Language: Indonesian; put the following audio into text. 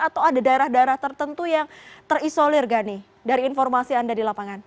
atau ada daerah daerah tertentu yang terisolir gani dari informasi anda di lapangan